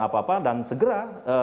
apa apa dan segera